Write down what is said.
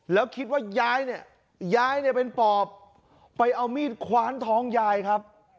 แล้วคิดว่ายายเนี่ยย้ายเนี่ยเป็นปอบไปเอามีดคว้านท้องยายครับ